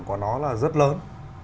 của nó là rất lớn